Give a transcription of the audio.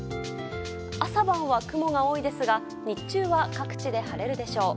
朝晩は雲が多いですが日中は各地で晴れるでしょう。